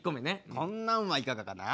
こんなんはいかがかな？